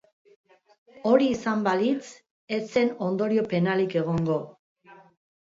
Hori izan balitz, ez zen ondorio penalik egongo.